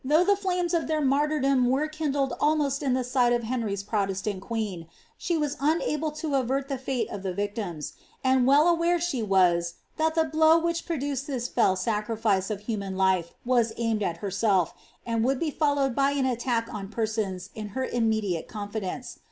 31 the flames of their martyrdom were kindled almost in the enry's Protestant queen, she was unable to avert the fate of t ; and well aware was she that the blow which produced this e of human life was aimed at herself, and would be followed ■k on persons in her immediate confidence.